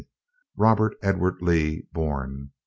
Robert Edward Lee born.